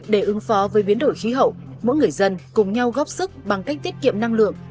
để ứng phó với biến đổi khí hậu mỗi người dân cùng nhau góp sức bằng cách tiết kiệm năng lượng